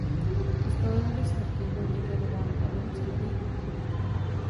Po Stalinově smrti byl degradován a donucen odejít do důchodu.